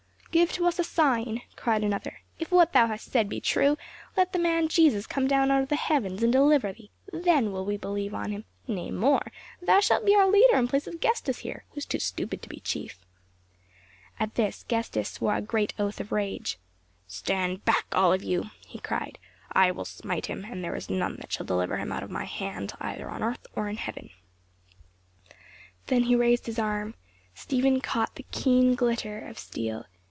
"Give to us a sign!" cried another. "If what thou hast said be true, let the man Jesus come down out of the heavens and deliver thee, then will we believe on him; nay, more, thou shalt be our leader in place of Gestas here who is too stupid to be chief." At this Gestas swore a great oath of rage. "Stand back, all of you," he cried. "I will smite him; and there is none that shall deliver him out of my hand, either on earth or in heaven." Then he raised his arm; Stephen caught the keen glitter of the steel.